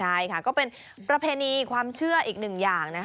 ใช่ค่ะก็เป็นประเพณีความเชื่ออีกหนึ่งอย่าง